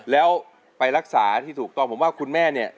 แล้วไปรักษาที่ถูกต้องผมว่าคุณแม่เนี่ย